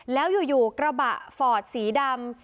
แล้วอยู่กระบะฟอร์ดสีดำ